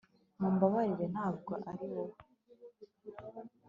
Mumbabarire ntabwo ari Wowe